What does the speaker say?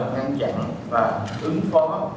ngăn chặn và ứng phó